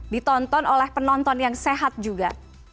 ditonton oleh penonton yang sehat juga